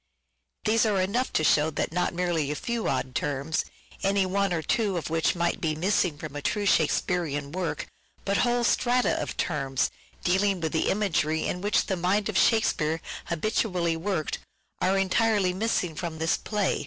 These are enough to show that not merely a few odd terms, any one or two of which might be missing from a true Shakespearean work, but whole strata of terms, dealing with the imagery in which the mind of Shakespeare habitually worked, are entirely missing from this play.